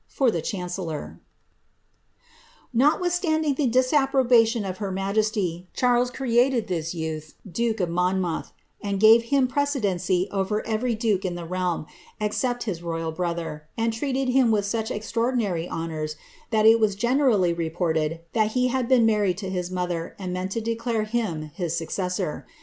For the Chancelour/* ' Notwithstanding the disapprobation of her majesty^ Chailet ereated i this youth duke of Monmouth, an^ gave him precedency over eveiy [ duke in the realm, except his royal brother, and treated him with such extraordinary honours, that it was generally reported tliat he had been married to his mother, and meant to declare him his succeseor.